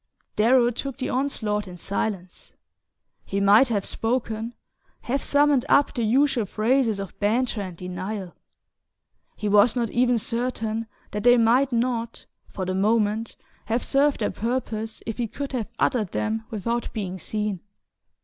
'" Darrow took the onslaught in silence. He might have spoken, have summoned up the usual phrases of banter and denial; he was not even certain that they might not, for the moment, have served their purpose if he could have uttered them without being seen.